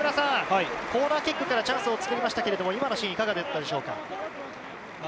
コーナーキックからチャンスを作りましたけど、今のシーンはいかがだったでしょうか？